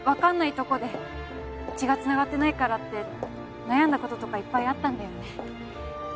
血がつながってないからって悩んだこととかいっぱいあったんだよね